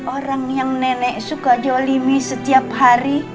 orang yang nenek suka jolimi setiap hari